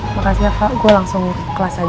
makasih aku langsung kelas aja